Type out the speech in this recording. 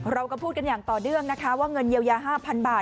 เราก็พูดกันอย่างต่อเนื่องนะคะว่าเงินเยียวยา๕๐๐บาท